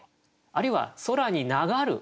あるいは「空に流る」。